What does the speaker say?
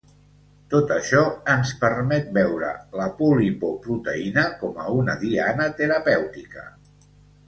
Tot això ens permet veure l'apolipoproteïna com a una diana terapèutica.